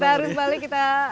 kita harus balik